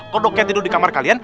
kodoknya tidur di kamar kalian